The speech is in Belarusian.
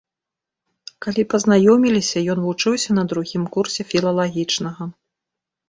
Калі пазнаёміліся, ён вучыўся на другім курсе філалагічнага.